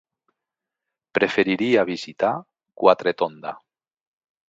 Preferiria visitar Quatretonda.